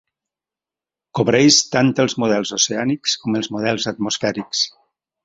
Cobreix tant els models oceànics com els models atmosfèrics.